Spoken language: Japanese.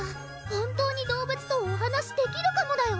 本当に動物とお話できるかもだよ